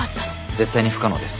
絶対に不可能です。